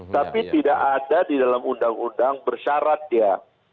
tapi tidak ada di dalam undang undang bersyarat dia